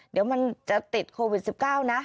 เดี๋ยวมันจะติดโควิด๑๙นะ